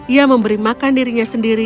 ia memberi makan dirinya sendiri